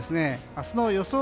明日の予想